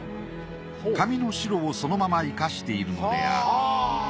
紙の白をそのまま生かしているのである。